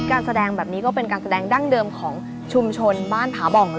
การแสดงแบบนี้ก็เป็นการแสดงดั้งเดิมของชุมชนบ้านผาบ่องเลย